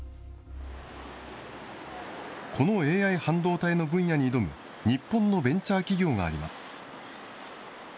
このＡＩ半導体の分野に挑む日本のベンチャー企業があります。